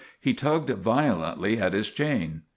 He tugged violently at his chain.